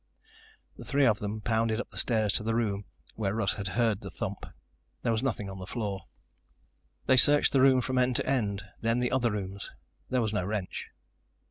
The three of them pounded up the stairs to the room where Russ had heard the thump. There was nothing on the floor. They searched the room from end to end, then the other rooms. There was no wrench.